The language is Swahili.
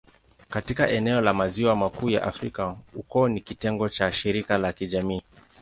Katika eneo la Maziwa Makuu ya Afrika, ukoo ni kitengo cha shirika la kijamii.